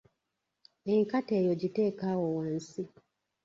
Enkata eyo giteeke awo wansi.